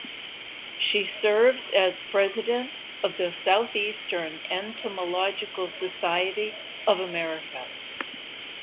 She serves as President of the Southeastern Entomological Society of America.